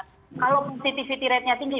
kalau positivity ratenya tinggi